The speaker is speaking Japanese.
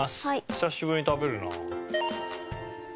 久しぶりに食べるな。